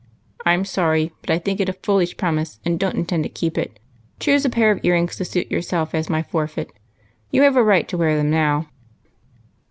I 'm sorry, but I think it a foolish promise, and don't intend to keep it. Choose a pair of ear rings to suit yourself, as my forfeit. You have a right to wear them now."